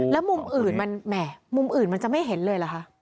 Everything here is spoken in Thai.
แล้วมุมอื่นมันจะไม่เห็นเลยเหรอคะ